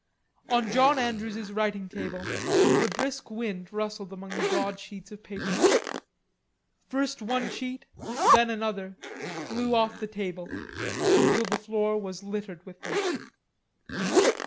On John Andrews's writing table the brisk wind rustled among the broad sheets of paper. First one sheet, then another, blew off the table, until the floor was littered with them.